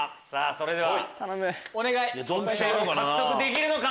それでは得点を獲得できるのか？